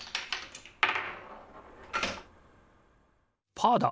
パーだ！